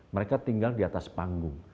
mereka tinggal di atas panggung